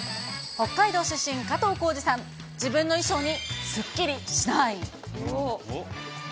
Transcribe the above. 北海道出身、加藤浩次さん、自分の衣装に、すっきりしない。